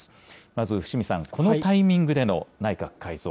まず伏見さん、このタイミングでの内閣改造。